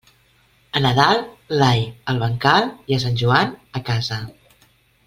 A Nadal, l'all, al bancal, i a Sant Joan, a casa.